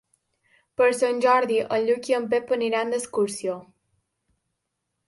Per Sant Jordi en Lluc i en Pep aniran d'excursió.